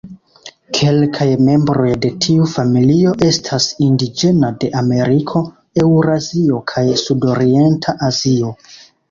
Kelkaj membroj de tiu familio estas indiĝena de Ameriko, Eŭrazio, kaj Sudorienta Azio.